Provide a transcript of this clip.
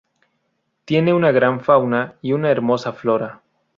Tiene una gran fauna y una hermosa flora.